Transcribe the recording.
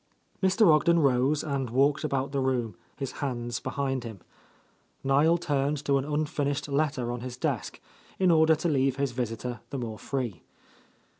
Mr. Ogden rose and walked about the room, his hands behind him. Niel turned to an unfinishec letter on his desk, in order to leave his visitor the more free.